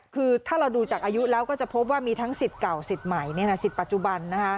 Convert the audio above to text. คือถ้าเราดูจากอายุแล้วก็จะพบว่ามีทั้งสิทธิ์เก่าสิทธิ์ใหม่สิทธิ์ปัจจุบัน